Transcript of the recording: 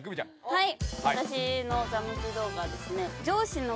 はい。